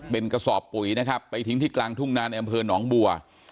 เป็นกระสอบปุ๋ยนะครับไปทิ้งที่กลางทุ่งนานในอำเภอหนองบัว